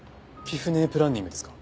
キフネ・プランニングですか？